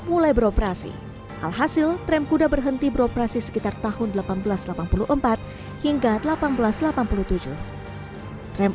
mulai beroperasi alhasil tram kuda berhenti beroperasi sekitar tahun seribu delapan ratus delapan puluh empat hingga seribu delapan ratus delapan puluh tujuh tram